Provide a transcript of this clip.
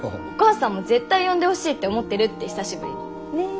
お母さんも絶対呼んでほしいって思ってるって久しぶりに。ね！